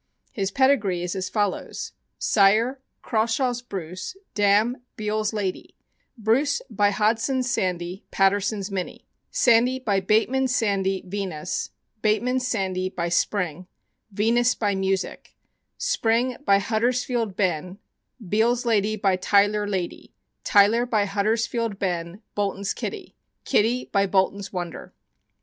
His pedi gree is as follows: Sire, Crawshaw's Bruce, dam, Beal's Lady; Bruce by Hodsdon's Sandy Patterson's Minnie; Sandy by Bateman's Sand y Venus ; Bateman's Sandy by Spring; Venus by Music; Spring by Huddersfield Ben; Beal' s Lady by Tyler Lady ; Tyler by Huddersfield Ben Bol ton's Kitty; Kitty by Bolton's Wonder.